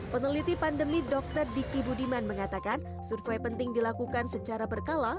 peneliti pandemi dr diki budiman mengatakan survei penting dilakukan secara berkala